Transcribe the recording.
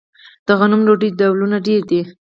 د غنمو ډوډۍ ډولونه ډیر دي.